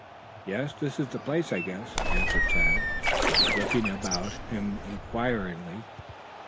"Yes, this is the place, I guess," answered Tad, looking about him inquiringly.